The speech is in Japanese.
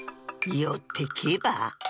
よってけばあ？